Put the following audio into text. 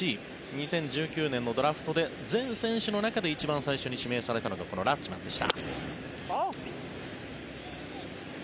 ２０１９年のドラフトで全選手の中で一番最初に指名されたのがこのラッチマンでした。